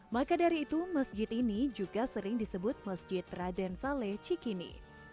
maka dari itu masjid ini juga sering disebut masjid raden saleh cikini